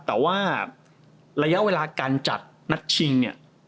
แต่ว่าระยะเวลาการจัดนัดชิงเนี่ย